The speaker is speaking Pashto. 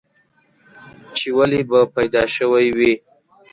چې ولې به پيدا شوی وې؟